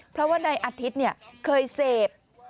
เพราะว่านายอาทิตย์เคยเสพ